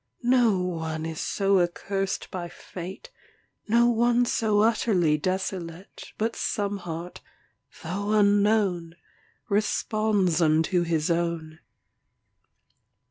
No one is so accursed by fate, No one so utterly desolate, But some heart, though unknown, Responds unto his own.